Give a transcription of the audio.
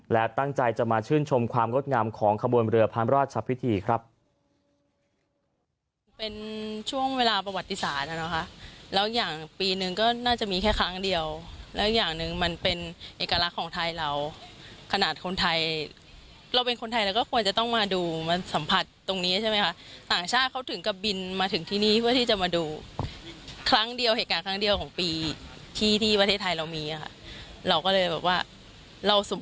และตั้งใจจะมาชื่นชมความงดงามของขบวนเรือพระราชพิธีครับ